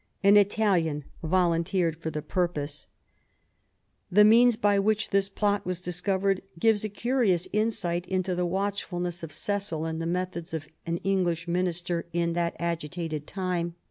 An Italian volunteered for the purpose. The means by which this plot was discovered gives a curious insight into the watchfulness of Cecil, and the methods of an English minister in that agitated time.